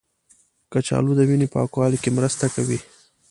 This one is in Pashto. کچالو د وینې پاکوالي کې مرسته کوي.